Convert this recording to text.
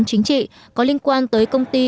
chính trị có liên quan tới công ty